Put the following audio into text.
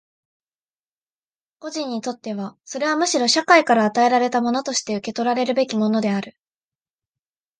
個人にとってはそれはむしろ社会から与えられたものとして受取らるべきものである。